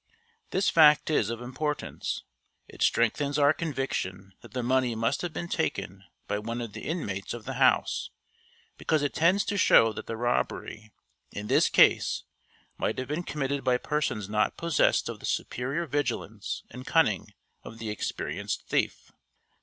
This fact is of importance. It strengthens our conviction that the money must have been taken by one of the inmates of the house, because it tends to show that the robbery, in this case, might have been committed by persons not possessed of the superior vigilance and cunning of the experienced thief.